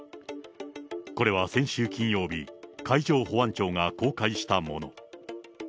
これは先週金曜日、海上保安庁が公開したもの。